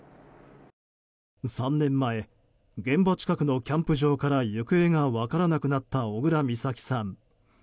３年前現場近くのキャンプ場から行方が分からなくなった小倉美咲さん。